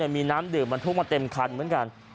มีน้ำดื่มบรรทุกมาเต็มคันเหมือนกัน